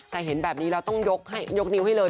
แต่เห็นแบบนี้แล้วต้องยกนิ้วให้เลย